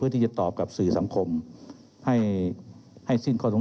เรามีการปิดบันทึกจับกลุ่มเขาหรือหลังเกิดเหตุแล้วเนี่ย